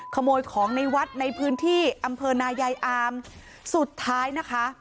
ขโมยของในวัดในพื้นที่อำเภอนายายอามสุดท้ายนะคะ